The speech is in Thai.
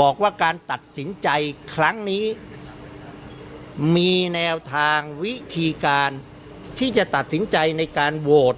บอกว่าการตัดสินใจครั้งนี้มีแนวทางวิธีการที่จะตัดสินใจในการโหวต